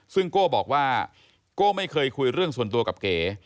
ซึ่งโก้บอกว่าโก้ไม่เคยคุยเรื่องส่วนตัวกับเก๋